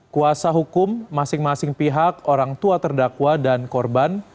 kuasa hukum masing masing pihak orang tua terdakwa dan korban